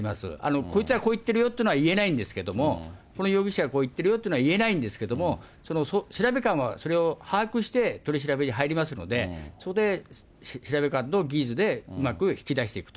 こいつはこう言ってるよっていうのはいえないんですけど、この容疑者がこう言ってるよというのは言えないんですけれども、その調べ官の把握して、取り調べ入りますので、そこで取調官の技術で、うまく引き出していくと。